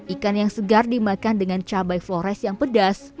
ikan yang segar dimakan dengan cabai flores yang pedas